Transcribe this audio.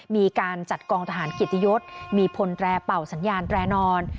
มีการจัดกองทหารเกียรติยศมีพลแรเป่าสัญญาณแร่นอน